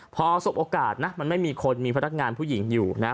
พอสบโอกาสนะมันไม่มีคนมีพนักงานผู้หญิงอยู่นะ